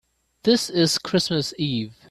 This is Christmas Eve.